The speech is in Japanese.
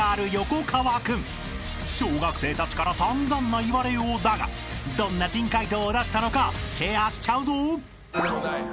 ［小学生たちから散々な言われようだがどんな珍解答を出したのかシェアしちゃうぞ］